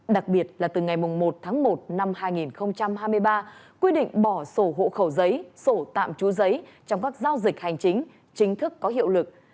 đặc biệt là từ ngày một tháng một năm hai nghìn hai mươi ba quy định bỏ sổ hộ khẩu giấy sổ tạm trú giấy trong các giao dịch hành chính chính thức có hiệu lực